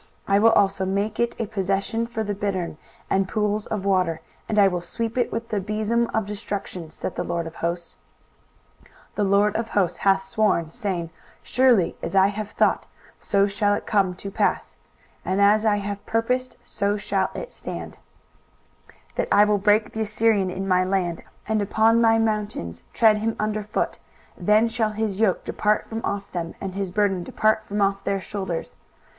23:014:023 I will also make it a possession for the bittern, and pools of water: and I will sweep it with the besom of destruction, saith the LORD of hosts. 23:014:024 The LORD of hosts hath sworn, saying, Surely as I have thought, so shall it come to pass; and as I have purposed, so shall it stand: 23:014:025 That I will break the Assyrian in my land, and upon my mountains tread him under foot: then shall his yoke depart from off them, and his burden depart from off their shoulders.